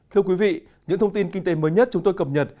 thưa quý vị những thông tin kinh tế mới nhất chúng tôi cập nhật